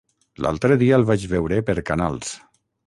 L'altre dia el vaig veure per Canals.